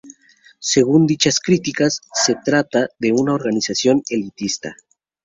Según dichas críticas, se trata de una "organización elitista".